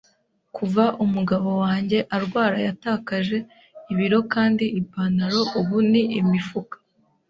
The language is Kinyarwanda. Kuva umugabo wanjye arwara yatakaje ibiro kandi ipantaro ubu ni imifuka.